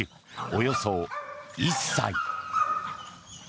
およそ１歳。